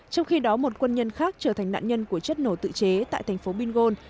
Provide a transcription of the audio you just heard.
trong khi đó một quân nhân khác trở thành nạn nhân của chất nổ tự chế tại thành phố bingon